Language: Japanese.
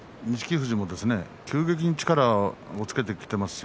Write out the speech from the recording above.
富士も急激に力をつけていますね